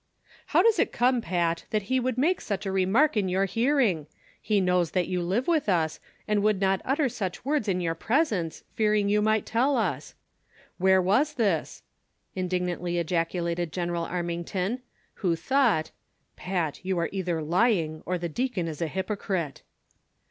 " How does it come, Pat, that he would make such a re mark in your hearing ; he knows that you live with us, and would not utter such words in your presence, fearing you might tell us V Where was this ?" indignantly ejaculated General Armington, who thought, "Pat, you are either lying, or the deacon is a hypocrite."